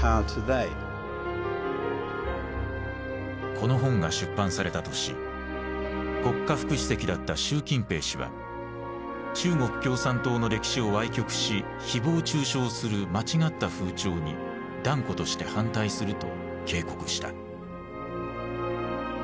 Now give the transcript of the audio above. この本が出版された年国家副主席だった習近平氏は「中国共産党の歴史を歪曲し誹謗中傷する間違った風潮に断固として反対する」と警告した。